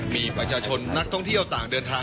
มีประชาชนนักท่องเที่ยวต่างเดินทาง